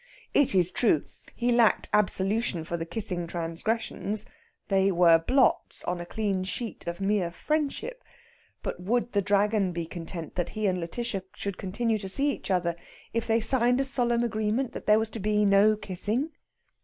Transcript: It is true he lacked absolution for the kissing transgressions; they were blots on a clean sheet of mere friendship. But would the Dragon be content that he and Lætitia should continue to see each other if they signed a solemn agreement that there was to be no kissing?